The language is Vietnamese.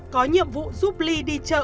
có nhiệm vụ giúp ly đi chợ